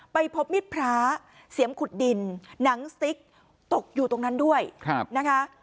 ไปพบมิดพระเสียมขุดดินหนังสติ๊กตกอยู่ตรงนั้นด้วยนะคะ